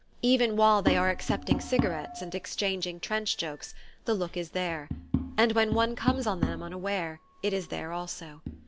Even while they are accepting cigarettes and exchanging trench jokes, the look is there; and when one comes on them unaware it is there also.